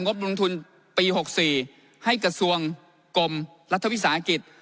บลงทุนปี๖๔ให้กระทรวงกรมรัฐวิสาหกิจ